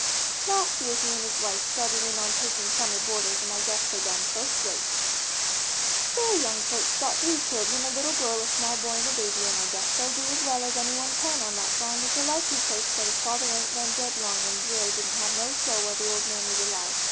Last year he and his wife started in on taking summer boarders and I guess they done first rate. They're young folks, got three children, a little girl a small boy and a baby and I guess they'll do as well as any one can on that farm, it's a likely place but his father ain't been dead long and Geo. didn't have no show while the old man was alive.